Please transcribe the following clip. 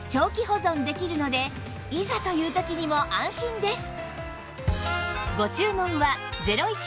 保存できるのでいざという時にも安心です